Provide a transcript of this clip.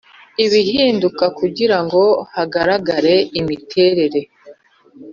Ibihinduka kugira ngo hagaragare imiterere